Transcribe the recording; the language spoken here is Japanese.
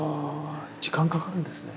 時間かかるんですね。